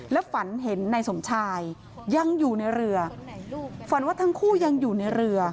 และฝันเห็นนายสมชายยังอยู่ในเรือฝันว่าทั้งคู่ยังอยู่ในเรือ